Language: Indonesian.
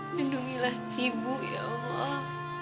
lindungilah ibu ya allah